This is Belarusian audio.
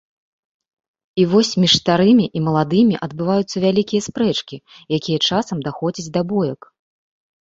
І вось між старымі і маладымі адбываюцца вялікія спрэчкі, якія часам даходзяць да боек.